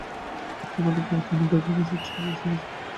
কয়েকটি পদে প্রার্থীর নির্ধারিত বয়সের চেয়ে বেশি বয়সীদের নিয়োগ দেওয়া হয়েছে।